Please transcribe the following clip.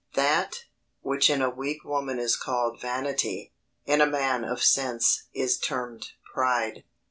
That, which in a weak woman is called vanity, in a man of sense is termed pride.